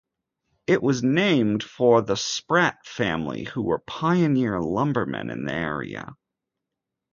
It was named for the Spratt family, who were pioneer lumbermen in the area.